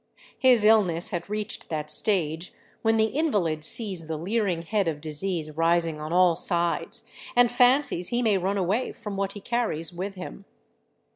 His illness had reached that stage when the invalid sees the leering head of disease rising on all sides, and fancies he may run away from what he carries with him.